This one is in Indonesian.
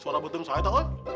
suara betengsa ya